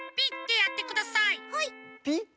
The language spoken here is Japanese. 「ピッ」？